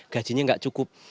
gajinya gak cukup